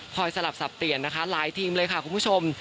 สลับสับเปลี่ยนนะคะหลายทีมเลยค่ะคุณผู้ชม